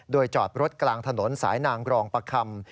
โดยจอดรถกลางถนนสายนางรองประคำ